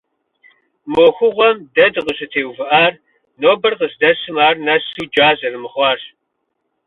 Мы ӏуэхугъуэм дэ дыкъыщӏытеувыӏар нобэр къыздэсым ар нэсу джа зэрымыхъуарщ.